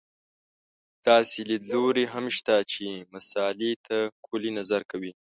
داسې لیدلوري هم شته چې مسألې ته کُلي نظر کوي.